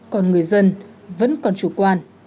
còn người dân vẫn còn chủ quan